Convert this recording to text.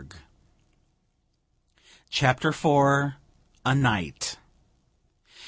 CHAPTER IV A NIGHT.